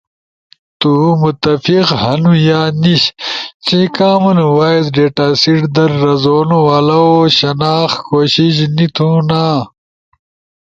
تو متفق ہنو یا نیش چی کامن وائس ڈیٹاسیٹ در رزونو والؤ شناخت کوشش نی تھونا۔